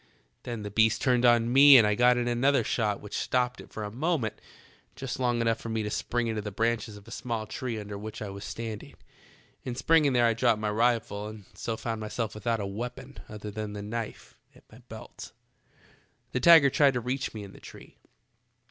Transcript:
Then the beast turned on me and I got in another shot which stopped it for a A FKiH'r WitH A Ti6ER. 1^9 moment, just long enough for me to spring into the branehes of a small tree under which I was standing. In springing there I dropped my rifle, and so found myself without a weapon other than the knife at my belt. "The tiger tried to reach me in the tree.